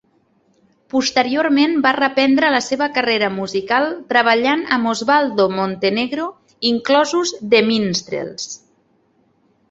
Posteriorment, va reprendre la seva carrera musical treballant amb Oswaldo Montenegro, inclosos The Minstrels.